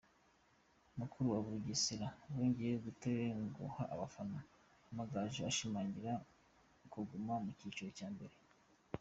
Mukura na Bugesera zongeye gutenguha abafana, Amagaju ashimangira kuguma mu cyiciro cya mbere.